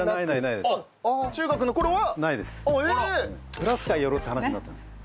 クラス会やろうって話になったんです。